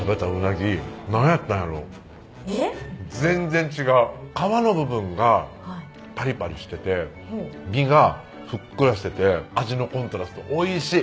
うんうわ皮の部分がパリパリしてて身がふっくらしてて味のコントラストおいしい